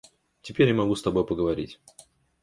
Теперь я могу с тобой поговорить.